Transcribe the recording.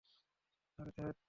আরে, ধ্যাত।